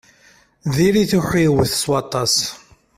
Dirit uḥiwet s waṭas.